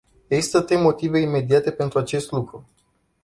Există trei motive imediate pentru acest lucru.